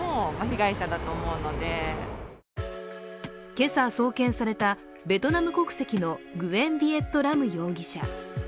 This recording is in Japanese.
今朝送検されたベトナム国籍のグェン・ヴィエット・ラム容疑者。